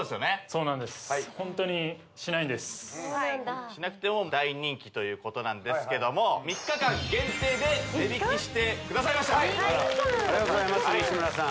そうなんですしなくても大人気ということなんですけども３日間限定で値引きしてくださいました３日間ありがとうございます西村さん